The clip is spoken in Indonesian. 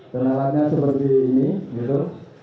dan alatnya seperti ini gitu